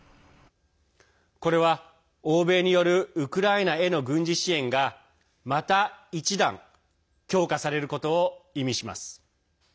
これは、欧米によるウクライナへの軍事支援がまた一段強化されることを意味します。